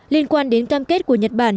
liên quan đến cam kết của nhật bản